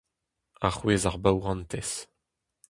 Arouez ar baourentez.